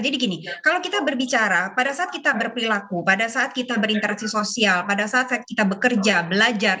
jadi gini kalau kita berbicara pada saat kita berperilaku pada saat kita berinteraksi sosial pada saat kita bekerja belajar